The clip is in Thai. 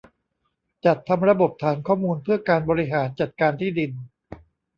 จัดทำระบบฐานข้อมูลเพื่อการบริหารจัดการที่ดิน